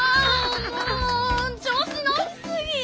もう調子乗り過ぎや！